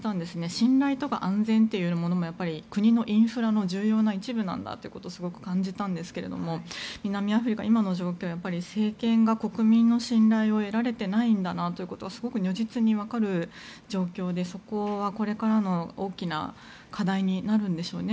信頼とか安全というのも国のインフラの重要な一部なんだということをすごく感じたんですけど南アフリカ、今の状況は政権が国民の信頼を得られてないんだなというのがすごく如実にわかる状況でそこはこれからの大きな課題になるんでしょうね。